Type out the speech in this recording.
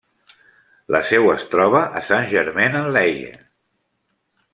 La seu es troba a Saint-Germain-en-Laye.